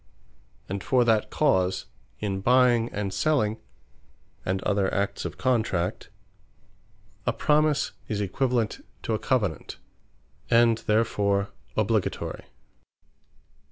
And for that cause, in buying, and selling, and other acts of Contract, A Promise is equivalent to a Covenant; and therefore obligatory.